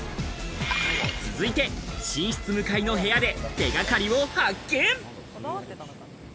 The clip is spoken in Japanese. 続いて寝室向かいの部屋で手掛かりを発見。